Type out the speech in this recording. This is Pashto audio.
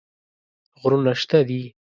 غرونه شته دي.